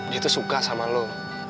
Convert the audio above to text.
dia tuh suka sama lo